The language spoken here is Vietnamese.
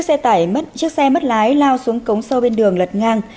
chiếc xe mất lái lao xuống cống sâu bên đường lật ngang